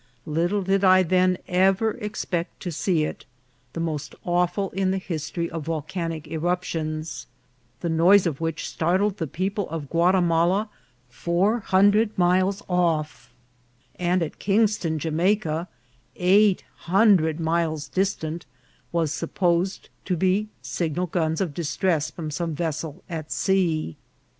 Little did I then ever EFFECTS OF AN ERUPTION. 37 expect to see it ; the most awful in the history of vol canic eruptions, the noise of which startled the people of Guatimala four hundred miles off; and at Kingston, Jamaica, eight hundred miles distant, was supposed to be signal guns of distress from some vessel at sea.